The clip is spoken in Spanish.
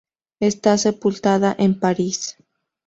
Está sepultada en París.